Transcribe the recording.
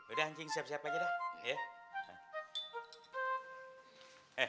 udah anjing siap siap aja dah